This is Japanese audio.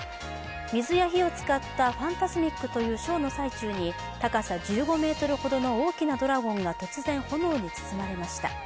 水や火を使ったファンタズミック！というショーの最中に高さ１５ｍほどの大きなドラゴンが突然炎に包まれました。